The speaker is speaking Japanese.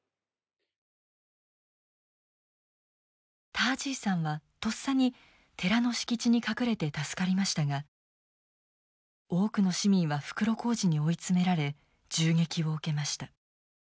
ター・ジーさんはとっさに寺の敷地に隠れて助かりましたが多くの市民は袋小路に追い詰められ銃撃を受けました。